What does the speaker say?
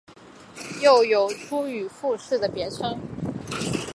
又有出羽富士的别称。